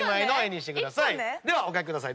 ではお描きください。